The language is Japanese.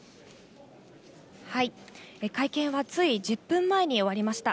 会見はつい１０分前に終わりました。